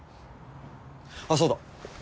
あっそうだ。